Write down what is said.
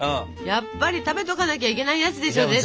やっぱり食べとかなきゃいけないやつでしょ。